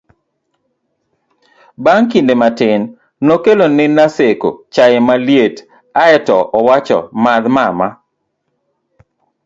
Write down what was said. bang' kinde matin nokelo ni Naseko chaye maliet ae to owacho 'madh mama